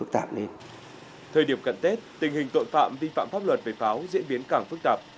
thời điểm cận tết tình hình tội phạm vi phạm pháp luật về pháo diễn biến càng phức tạp